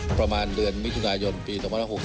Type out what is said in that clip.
ประมาณเดือนมิถุนายนปี๒๖๖